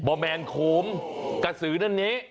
ออแมนโคมกระสื้อนั่นเนี้ย